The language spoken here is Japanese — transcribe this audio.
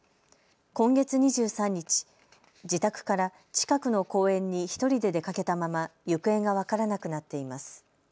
今月２３日、自宅から近くの公園に１人で出かけたまま行方が分からなくなっています。